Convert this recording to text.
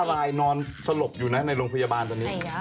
ลายนอนสลบอยู่นะในโรงพยาบาลตอนนี้